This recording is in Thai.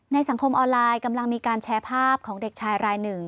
สังคมออนไลน์กำลังมีการแชร์ภาพของเด็กชายรายหนึ่ง